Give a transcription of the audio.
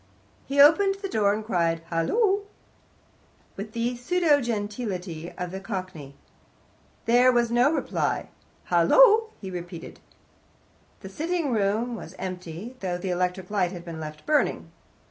He opened the door, and cried "Hullo!" with the pseudo geniality of the Cockney. There was no reply. "Hullo!" he repeated. The sitting room was empty, though the electric light had been left burning.